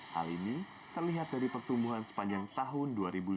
hal ini terlihat dari pertumbuhan sepanjang tahun dua ribu lima belas